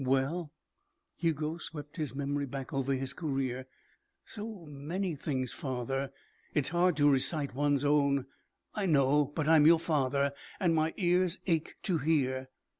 "Well " Hugo swept his memory back over his career "so many things, father. It's hard to recite one's own " "I know. But I'm your father, and my ears ache to hear."